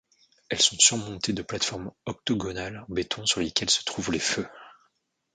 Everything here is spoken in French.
Elles sont surmontées de plates-formes octogonales en béton sur lesquelles se trouvent les feux.